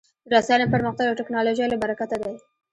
د رسنیو پرمختګ د ټکنالوژۍ له برکته دی.